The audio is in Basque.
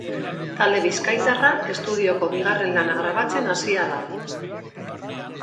Talde bizkaitarra estudioko bigarren lana grabatzen hasia da.